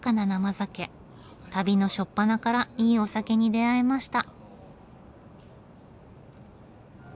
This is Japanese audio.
旅の初っぱなからいいお酒に出会えました。